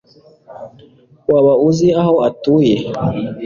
waba uzi aho atuye